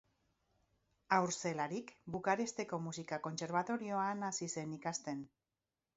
Haur zelarik, Bukaresteko Musika Kontserbatorioan hasi zen ikasten.